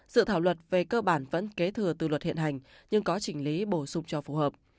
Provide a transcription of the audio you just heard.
sự thảo luật về cơ bản vẫn kế thừa từ luật hiện hành nhưng có chỉnh lý bổ sung cho phù hợp